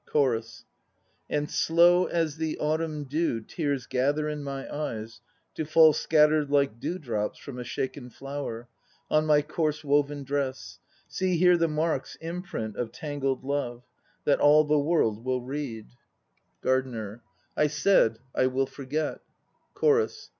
CHORUS. And slow as the autumn dew Tears gather in my eyes, to fall Scattered like dewdrops from a shaken flower On my coarse woven dress. See here the marks, imprint of tangled love, That all the world will read. 136 THE NO PLAYS OF JAPAN GARDENER. I said "I will forget," CHORUS.